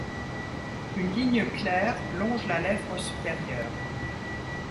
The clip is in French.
Une ligne claire longe la lèvre supérieure.